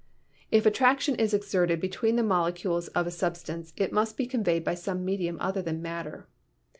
If attraction is exerted between the molecules of a sub stance it must be conveyed by >some medium other than matter.